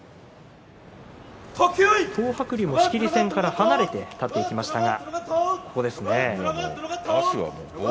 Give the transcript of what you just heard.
東白龍も仕切り線から離れて立っていきましたが。